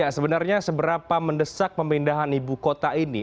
sebenarnya seberapa mendesak pemindahan ibu kota ini